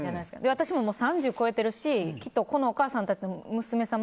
私も、もう３０超えてるしきっとこのお母さんたちの娘さん